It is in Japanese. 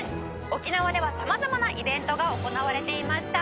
「沖縄では様々なイベントが行われていました」